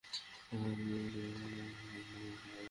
এখানে দেখা যাচ্ছে প্রতি সাইকেলে ফাটলটি এক মাইক্রন করে বেড়ে যাচ্ছে।